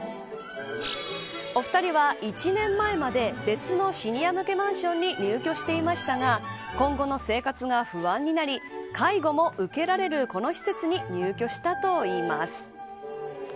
お二人は１年前まで別のシニア向けマンションに入居していましたが今後の生活が不安になり介護も受けられるこの施設に入居したといいます。